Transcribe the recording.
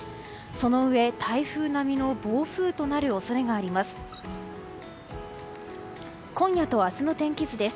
そのうえ、台風並みの暴風となる恐れがあります。